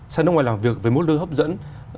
sang nước ngoài làm việc với mức lương hấp dẫn